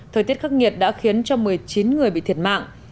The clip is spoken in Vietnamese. thời tiết khắc nghiệt đã khiến cho một mươi chín người bị thiệt mạng